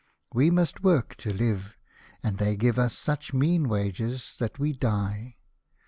We must work to live, and they give us such mean wages that we die.